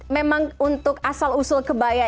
memang untuk asal usul kebaya